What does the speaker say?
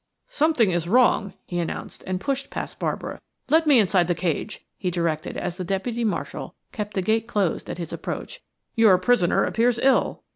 "Something is wrong," he announced and pushed past Barbara. "Let me inside the cage," he directed as the deputy marshal kept the gate closed at his approach. "Your prisoner appears ill."